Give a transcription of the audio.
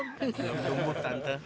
belum tumbuh tante